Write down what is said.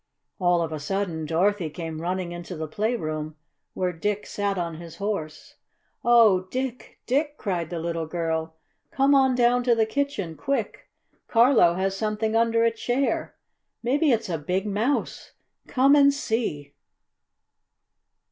All of a sudden Dorothy came running into the playroom where Dick sat on his Horse. "Oh, Dick! Dick!" cried the little girl. "Come on down to the kitchen, quick! Carlo has something under a chair! Maybe it's a big mouse! Come and see!"